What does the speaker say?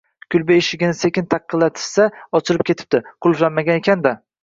Kulba eshigini sekin taqillatishsa, ochilib ketibdi. Qulflanmagan ekan-da.